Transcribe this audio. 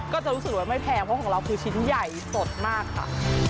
ก็จะรู้สึกว่าไม่แพงเพราะของเราคือชิ้นใหญ่สดมากค่ะ